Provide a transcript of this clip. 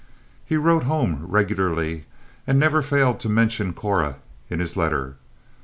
He wrote home regularly and never failed to mention Cora in his letter.